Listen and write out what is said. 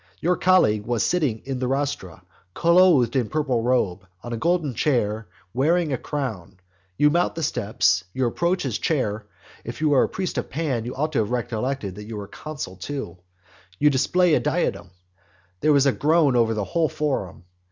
Your colleague was sitting in the rostra, clothed in purple robe, on a golden chair, wearing a crown. You mount the steps; you approach his chair; (if you were a priest of Pan, you ought to have recollected that you were consul too;) you display a diadem. There is a groan over the whole forum.